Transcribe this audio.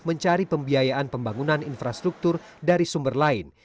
mencari pembiayaan pembangunan infrastruktur dari sumber lain